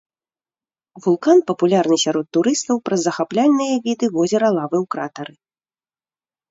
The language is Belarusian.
Вулкан папулярны сярод турыстаў праз захапляльныя віды возера лавы ў кратары.